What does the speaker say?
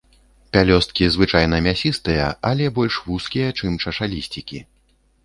Пялёсткі звычайна мясістыя, але больш вузкія, чым чашалісцікі.